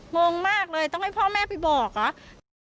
งงมากเลยต้องให้พ่อแม่ไปบอกเหรอ